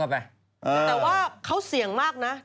แต่ว่าเขาเสี่ยงมากนะ